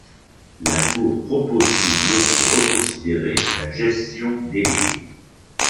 La Cour propose toujours de reconsidérer la gestion délégué.